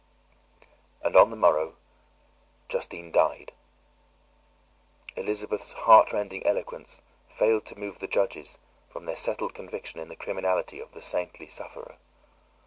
And on the morrow Justine died. Elizabeth's heart rending eloquence failed to move the judges from their settled conviction in the criminality of the saintly sufferer.